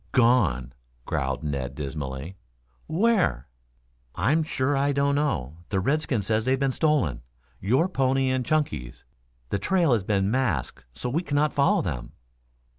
"Gone," growled Ned dismally. "Where?" "I'm sure I don't know. The redskin says they have been stolen your pony and Chunky's. The trail has been masked so we cannot follow them."